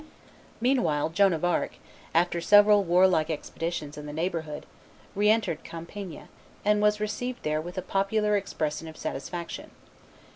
Meanwhile Joan of Arc, after several warlike expeditions in the neighborhood, re entered Compiegne, and was received there with a popular expression of satisfaction.